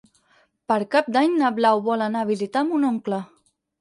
Per Cap d'Any na Blau vol anar a visitar mon oncle.